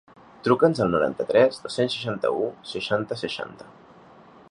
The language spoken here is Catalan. Truca'ns al noranta-tres dos-cents seixanta-u seixanta seixanta.